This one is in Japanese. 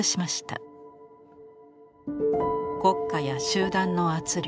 国家や集団の圧力。